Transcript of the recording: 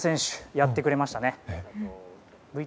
やってくれましたね。